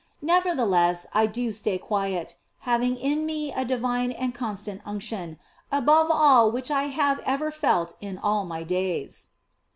Nevertheless, I do stay quiet, having in me a divine and constant unction, above all which I have ever felt in all my days.